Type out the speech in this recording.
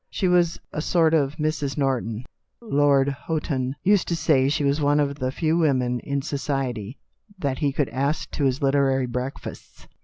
She was a sort of Mrs. Norton. Lord Houghton used to say she was one of the few women in society that he could ask to his literary breakfasts.